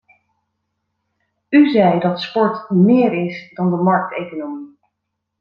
U zei dat sport meer is dan de markteconomie.